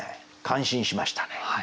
感心しましたね。